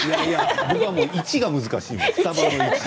僕は１が難しい。